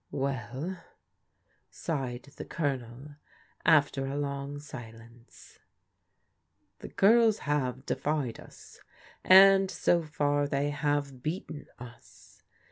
" Well," sighed the Colonel, after a long silence, " the girls have defied us, and so far they have beaten us.